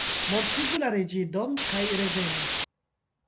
Mortigu la reĝidon kaj revenu!